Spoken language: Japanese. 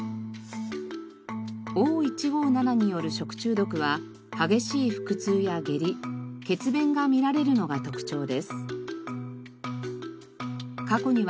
Ｏ１５７による食中毒は激しい腹痛や下痢血便が見られるのが特徴です。